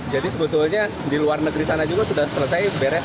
jadi sebetulnya di luar negeri sana juga sudah selesai beres